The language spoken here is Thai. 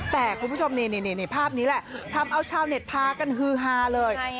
แต่คุณผู้ชมนี่ภาพนี้แหละทำเอาชาวเน็ตพากันฮือฮาเลย